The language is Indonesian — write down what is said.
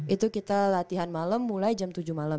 itu kita latihan malem mulai jam tujuh malem